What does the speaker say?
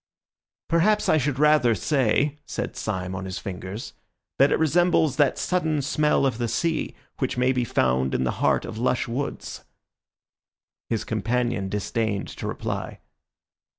"Perhaps I should rather say," said Syme on his fingers, "that it resembles that sudden smell of the sea which may be found in the heart of lush woods." His companion disdained to reply.